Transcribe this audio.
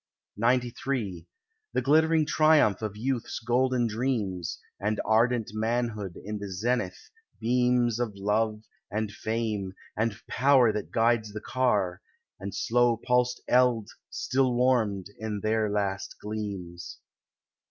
XCIII The glittering triumph of youth's golden dreams, And ardent manhood in the zenith, beams Of love, and fame, and power that guides the car, And slow pulsed eld still warmed in their last gleams.